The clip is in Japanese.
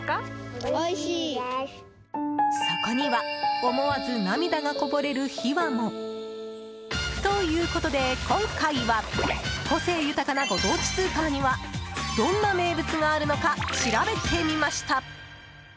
そこには思わず涙がこぼれる秘話も。ということで今回は個性豊かなご当地スーパーにはどんな名物があるのか調べてみました。